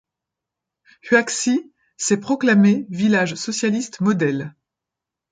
Huaxi s'est proclamé village socialiste modèle.